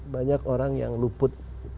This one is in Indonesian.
banyak orang yang luput